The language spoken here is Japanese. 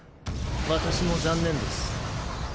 私も残念です。